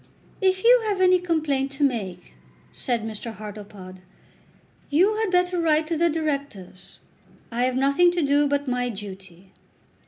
"If you have any complaint to make," said Mr. Hartlepod, "you had better write to the Directors. I have nothing to do but my duty."